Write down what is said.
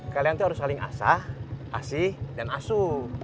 kalian tuh harus saling asah asih dan asuh